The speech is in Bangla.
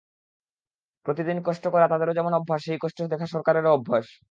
প্রতিদিন কষ্ট করা তাদেরও যেমন অভ্যাস, সেই কষ্ট দেখা সরকারেরও অভ্যাস।